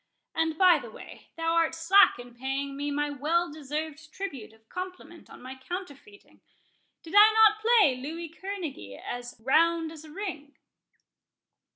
And, by the way, thou art slack in paying me my well deserved tribute of compliment on my counterfeiting.—Did I not play Louis Kerneguy as round as a ring?"